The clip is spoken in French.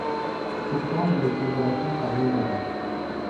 Pourtant il a été relâché par Lozada.